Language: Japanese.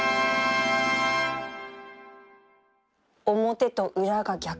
表と裏が逆